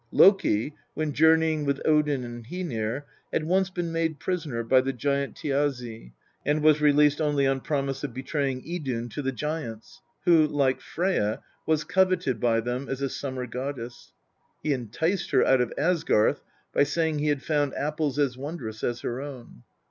Loki, when journeying with Odin and Hcenir, had once been made prisoner by the giant Thiazi, and was released only on promise of betraying Idun to the giants, who, like Freyja, was coveted by them as a summer goddess. He enticed her out of Asgarth by saying he had found apples as wondrous as her own.